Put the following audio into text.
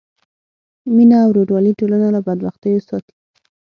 مینه او ورورولي ټولنه له بدبختیو ساتي.